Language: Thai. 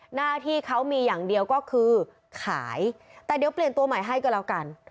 หน้าที่เขามีอย่างเดียวก็คือขายแต่เดี๋ยวเปลี่ยนตัวใหม่ให้ก็แล้วกัน